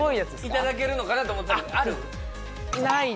いただけるのかなと思ったけどある？